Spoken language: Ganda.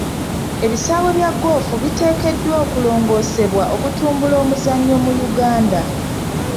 Ebisaawe bya ggoofu biteekeddwa okulongoosebwa okutumbula omuzannyo mu Uganda.